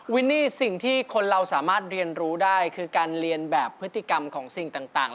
วินนี่สิ่งที่คนเราสามารถเรียนรู้ได้คือการเรียนแบบพฤติกรรมของสิ่งต่าง